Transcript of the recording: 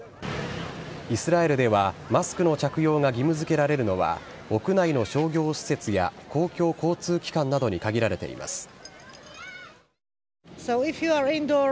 イスラエルでは、マスクの着用が義務づけられるのは、屋内の商業施設や、公共交通機関などに限られています。